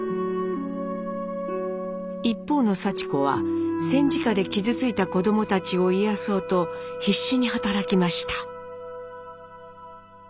一方のさち子は戦時下で傷ついた子どもたちを癒やそうと必死に働きました。